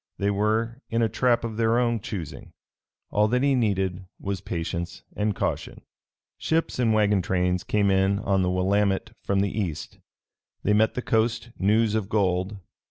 They were in a trap of their own choosing. All that he needed was patience and caution. Ships and wagon trains came in on the Willamette from the East. They met the coast news of gold.